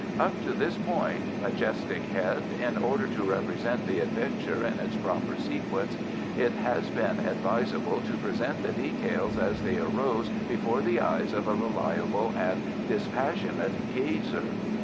Up to this point, majestic head, in order to represent the adventure in its proper sequence, it has been advisable to present the details as they arose before the eyes of a reliable and dispassionate gazer.